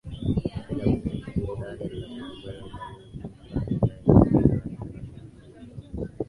Tukio la burudani la Zanzibar linalojulikana duniani ni Zanzibar International Film Festival